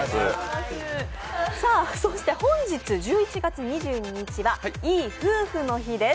本日、１１月２２日はいい夫婦の日です。